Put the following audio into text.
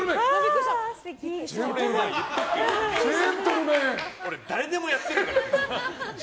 これ誰でもやってるからね。